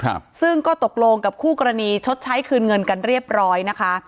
ครับซึ่งก็ตกลงกับคู่กรณีชดใช้คืนเงินกันเรียบร้อยนะคะ